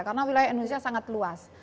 karena wilayah indonesia sangat luas